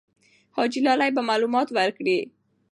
حاجي لالی به معلومات ورکړي.